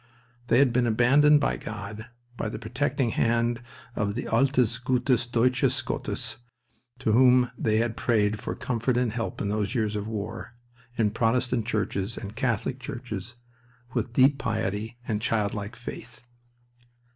They had been abandoned by God, by the protecting hand of the altes gutes Deutsches Gottes to whom many had prayed for comfort and help in those years of war, in Protestant churches and Catholic churches, with deep piety and childlike faith.